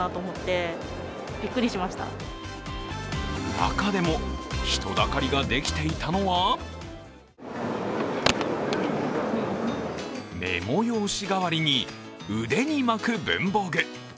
中でも、人だかりができていたのはメモ用紙代わりに腕に巻く文房具。